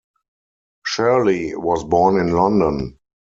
Shirley was born in London.